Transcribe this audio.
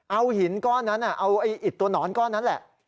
เอาหินก้อนนั้นเอาอิดตัวหนอนก้อนนั้นแหละ